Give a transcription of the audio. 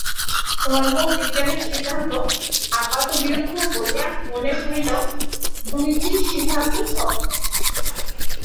ধর্ম ও বিজ্ঞানের সিদ্ধান্ত আপাতবিরুদ্ধ বলিয়া মনে হইলেও দুইটি সিদ্ধান্তই সত্য।